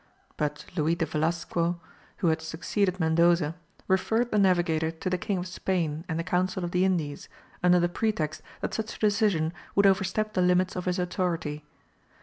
But Luis de Velasco, who had succeeded Mendoza, referred the navigator to the King of Spain and the Council of the Indies, under the pretext that such a decision would overstep the limits of his authority.